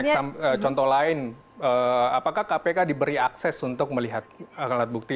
contoh lain apakah kpk diberi akses untuk melihat alat bukti